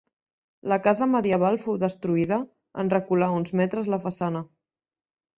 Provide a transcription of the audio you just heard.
La casa medieval fou destruïda en recular uns metres la façana.